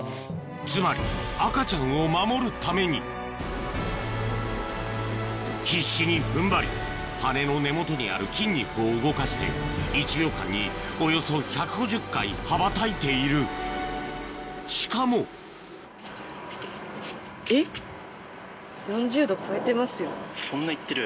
つまり赤ちゃんを守るために必死に踏ん張り羽の根元にある筋肉を動かして１秒間におよそ１５０回羽ばたいているしかもそんな行ってる？